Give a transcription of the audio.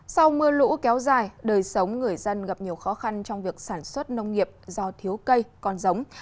sau mưa lũ kéo dài đời sống người dân gặp nhiều khó khăn trong việc sản xuất nông nghiệp do thiếu cây con giống